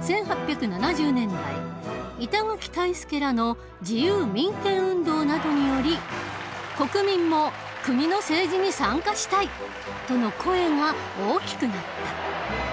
１８７０年代板垣退助らの自由民権運動などにより国民も「国の政治に参加したい！」との声が大きくなった。